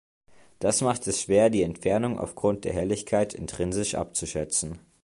Das macht es schwer, die Entfernung aufgrund der Helligkeit intrinsisch abzuschätzen.